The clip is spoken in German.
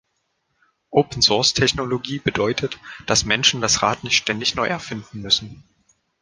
Open-Source-Technologie bedeutet, dass Menschen das Rad nicht ständig neu erfinden müssen.